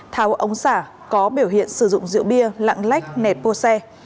tháo ống xả có biểu hiện sử dụng rượu bia lặng lách nẹt pô xe